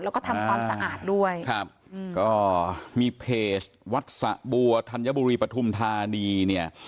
แล้วก็ทำความสะอาดด้วยครับอืมก็มีเพจวัดสะบัวธัญบุรีปฐุมธานีเนี่ย